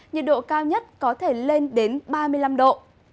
nhiệt độ cao nhất có thể lên đến ba mươi năm độ